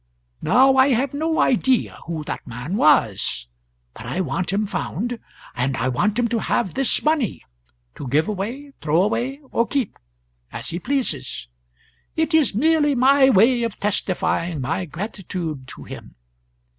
Now I have no idea who that man was, but I want him found, and I want him to have this money, to give away, throw away, or keep, as he pleases. It is merely my way of testifying my gratitude to him.